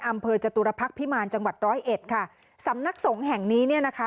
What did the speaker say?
อำเภอจตุรพักษ์พิมารจังหวัดร้อยเอ็ดค่ะสำนักสงฆ์แห่งนี้เนี่ยนะคะ